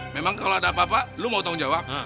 memang kalau ada apa apa lo mau tanggung jawab